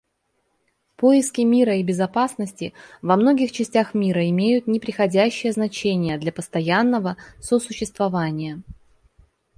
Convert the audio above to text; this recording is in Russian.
Поиски мира и безопасности во многих частях мира имеют непреходящее значение для постоянного сосуществования.